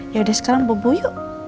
yaudah sekarang bobo yuk